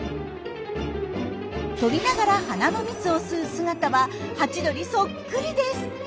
飛びながら花の蜜を吸う姿はハチドリそっくりです。